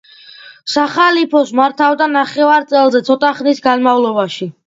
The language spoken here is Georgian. სახალიფოს მართავდა ნახევარ წელზე ცოტა ხნის განმავლობაში.